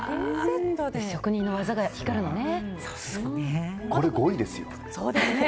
職人の技が光るのね。